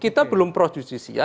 kita belum prosesisial